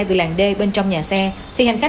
vì làng d bên trong nhà xe thì hành khách